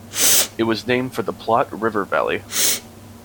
It was named for the Platte River valley.